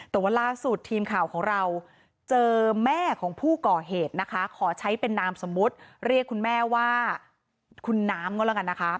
แต่ว่าล่าสุดทีมข่าวของเราเจอแม่ของผู้ก่อเหตุนะคะขอใช้เป็นนามสมมุติเรียกคุณแม่ว่าคุณน้ำก็แล้วกันนะคะ